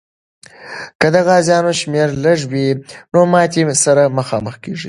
که د غازیانو شمېر لږ وي، نو ماتي سره مخامخ کېږي.